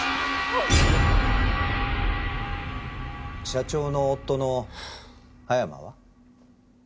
社長の夫の葉山は？